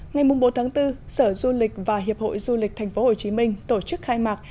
ngày bốn bốn sở du lịch và hiệp hội du lịch tp hồ chí minh tổ chức khai mạc